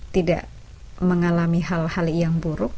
tidak mengalami hal hal yang buruk